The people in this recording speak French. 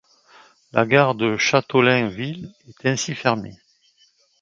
La gare de Châteaulin-Ville est ainsi fermée.